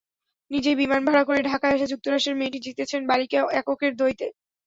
নিজেই বিমান ভাড়া করে ঢাকায় আসা যুক্তরাষ্ট্রের মেয়েটি জিতেছেন বালিকা এককের দ্বৈতে।